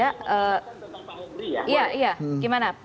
saya mau bicarakan tentang pak henry ya